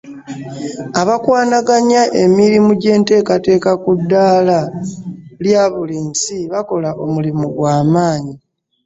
Abakwanaganya emirimu gy’enteekateeka ku ddaala lya buli nsi bakola omulimu gw’amanyi.